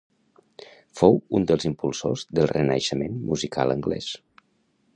Fou un dels impulsors del Renaixement musical anglès.